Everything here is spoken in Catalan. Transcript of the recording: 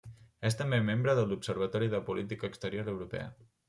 És també membre de l'Observatori de Política Exterior Europea.